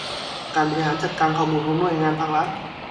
การบริหารจัดการข้อมูลของหน่วยงานภาครัฐ